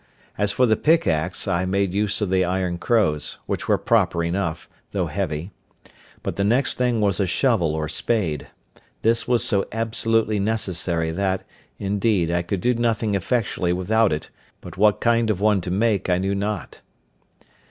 As for the pickaxe, I made use of the iron crows, which were proper enough, though heavy; but the next thing was a shovel or spade; this was so absolutely necessary, that, indeed, I could do nothing effectually without it; but what kind of one to make I knew not.